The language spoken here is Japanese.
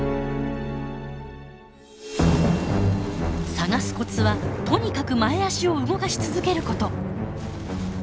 探すコツはとにかく前足を動かし続けること。